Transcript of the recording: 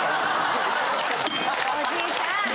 おじさん！